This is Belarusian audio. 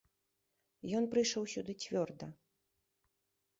Ён прыйшоў сюды цвёрда.